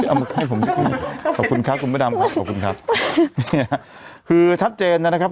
เอามาไข้ผมขอบคุณครับคุณพระดามขอบคุณครับคือชัดเจนนะครับ